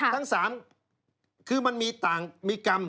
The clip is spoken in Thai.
ทั้ง๓คือมันมีต่างมีกรรม